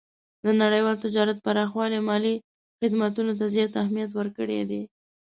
د نړیوال تجارت پراخوالی مالي خدمتونو ته زیات اهمیت ورکړی دی.